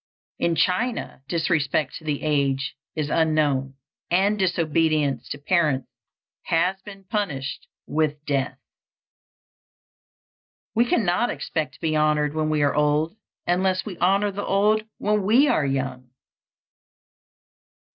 In China disrespect to the aged is unknown, and disobedience to parents has been punished with death. We cannot expect to be honored when we are old, unless we honor the old when we are young.